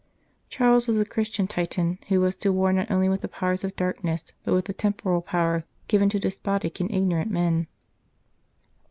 Charles was the Christian Titan who was to war, not only with the Powers of Darkness, but with 103 St. Charles Borromeo the Temporal Power given to despotic and ignorant men.